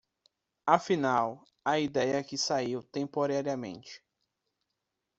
Afinal, a ideia que saiu temporariamente